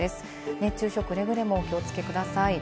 熱中症、くれぐれもお気をつけください。